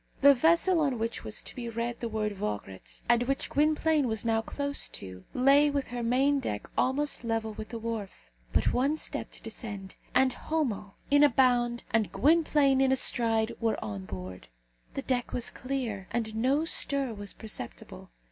The vessel on which was to be read the word Vograat, and which Gwynplaine was now close to, lay with her main deck almost level with the wharf. But one step to descend, and Homo in a bound, and Gwynplaine in a stride, were on board. The deck was clear, and no stir was perceptible.